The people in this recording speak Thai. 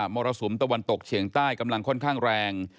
รสุมตะวันตกเฉียงใต้กำลังค่อนข้างแรง